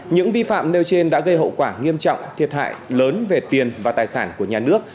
những vi phạm nêu trên đã gây hậu quả nghiêm trọng thiệt hại lớn về tiền và tài sản của nhà nước